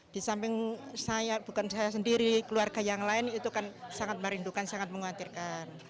di samping saya bukan saya sendiri keluarga yang lain itu kan sangat merindukan sangat mengkhawatirkan